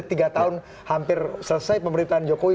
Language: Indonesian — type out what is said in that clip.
ini udah tiga tahun hampir selesai pemerintahan jokowi